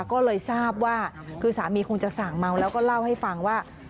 ก็เลยทราบว่าคือสามีคงจะสั่งเมาแล้วก็เล่าให้ฟังว่า